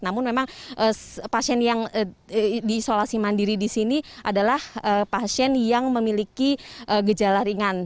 namun memang pasien yang diisolasi mandiri di sini adalah pasien yang memiliki gejala ringan